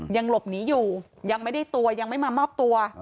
ยังหลบหนีอยู่ยังไม่ได้ตัวยังไม่มามอบตัว